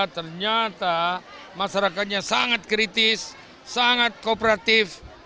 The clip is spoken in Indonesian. ternyata masyarakatnya sangat kritis sangat kooperatif